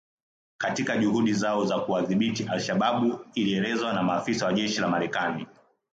katika juhudi zao za kuwadhibiti al-Shabaab ilielezewa na maafisa wa jeshi la Marekani